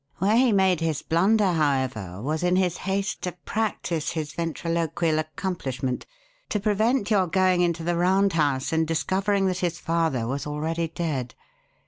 Where he made his blunder, however, was in his haste to practise his ventriloquial accomplishment to prevent your going into the Round House and discovering that his father was already dead.